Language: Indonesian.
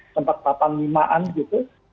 sempat papan limaan gitu